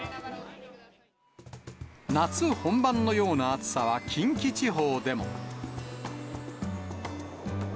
夏本番のような暑さは近畿地方でも。